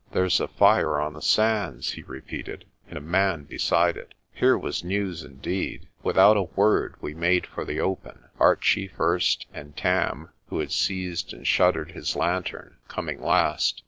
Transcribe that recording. "There's a fire on the sands," he repeated, "and a man beside it." Here was news indeed. Without a word we made for the open, Archie first, and Tam, who had seized and shut tered his lantern, coming last.